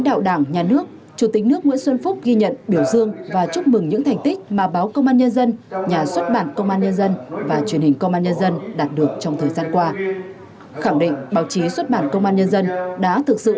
tại lễ kỷ niệm chủ tịch nước nguyễn xuân phúc đã trao huân trường lao động hạng nhất tặng nhà xuất bản công an nhân dân và huân trường lao động hạng ba tặng truyền hình công an nhân dân